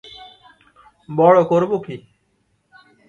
বড়ো করব কী!